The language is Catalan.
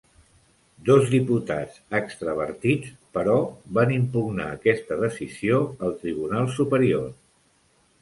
Dos diputats extravertits, però, van impugnar aquesta decisió al Tribunal Superior.